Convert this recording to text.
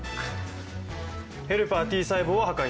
ヘルパーＴ細胞は破壊した。